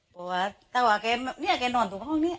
โปรดติดตามต่อไป